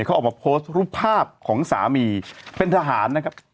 เขาออกมาโพสต์รูปภาพของสามีเป็นทหารนะครับ